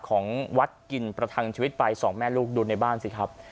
ของวัดกินประทังชีวิตไปสองแม่ลูกดูในบ้านสิครับ